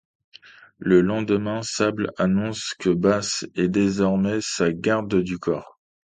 Le lendemain, Sable annonce que Bass est désormais sa garde du corps.